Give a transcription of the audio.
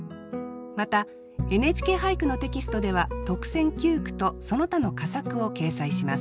また「ＮＨＫ俳句」のテキストでは特選九句とその他の佳作を掲載します。